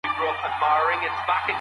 د نسخې لوستل څوک کولای سي؟